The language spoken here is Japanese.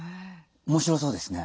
面白そうですね。